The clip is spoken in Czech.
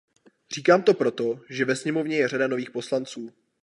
Říkám to proto, že ve sněmovně je řada nových poslanců.